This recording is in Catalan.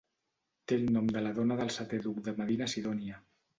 Té el nom de la dona del setè duc de Medina-Sidònia.